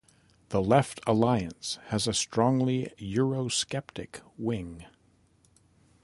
The Left Alliance has a strongly Eurosceptic wing.